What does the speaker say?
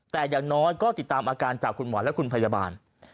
แต่อย่างน้อยก็ติดตามอาการจากคุณหมอและคุณพยาบาล